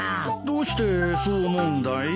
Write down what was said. どうしてそう思うんだい？